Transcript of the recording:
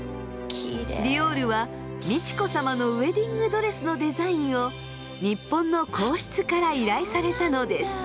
ディオールは美智子さまのウエディングドレスのデザインを日本の皇室から依頼されたのです。